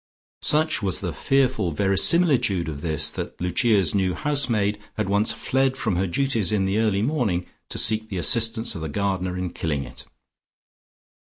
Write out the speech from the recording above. Such was the fearful verisimilitude of this that Lucia's new housemaid had once fled from her duties in the early morning, to seek the assistance of the gardener in killing it.